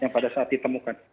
yang pada saat ditemukan